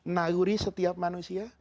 naluri setiap manusia